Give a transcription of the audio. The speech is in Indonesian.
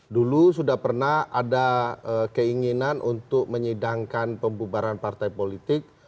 dulu sudah pernah ada keinginan untuk menyidangkan pembubaran partai politik